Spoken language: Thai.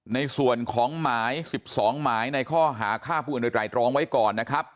ในส่วนของหมาย๑๒หมายในข้อหาฆ่าผู้อื่นโดยไตรรองไว้ก่อนนะครับ